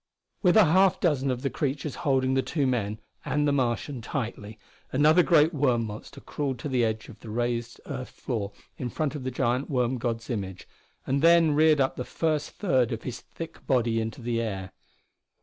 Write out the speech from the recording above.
With a half dozen of the creatures holding the two men and the Martian tightly, another great worm monster crawled to the edge of the raised earth floor in front of the giant worm god's image, and then reared up the first third of his thick body into the air.